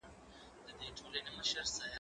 زه مينه څرګنده کړې ده،